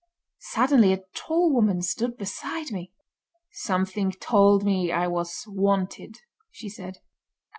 Suddenly a tall woman stood beside me. 'Something told me I was wanted!' she said.